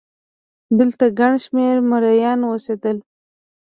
دلته ګڼ شمېر مریان اوسېدل.